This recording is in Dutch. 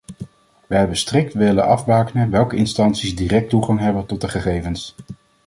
Wij hebben strikt willen afbakenen welke instanties direct toegang hebben tot de gegevens.